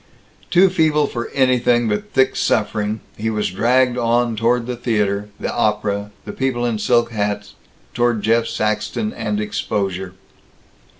Too feeble for anything but thick suffering he was dragged on toward the theater, the opera, people in silk hats toward Jeff Saxton and exposure.